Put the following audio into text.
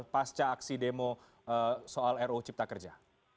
pasca aksi demo soal ruu cipta kerja